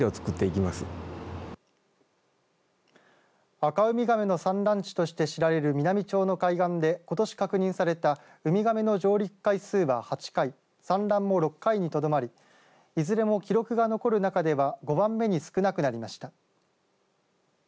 アカウミガメの産卵地として知られる美波町の海岸でことし確認されたウミガメの上陸回数は８回産卵も６回にとどまりいずれも記録が残る中では５番目に少なくなりました。